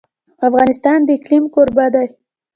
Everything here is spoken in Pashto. افغانستان د اقلیم کوربه دی.